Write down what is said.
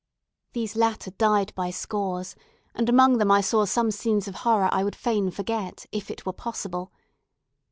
These latter died by scores, and among them I saw some scenes of horror I would fain forget, if it were possible.